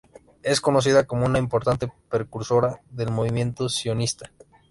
Es conocida como una importante precursora del movimiento sionista.